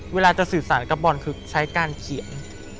เวลาจะสื่อสารกับบอลคือใช้การเขียน